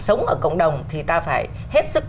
sống ở cộng đồng thì ta phải hết sức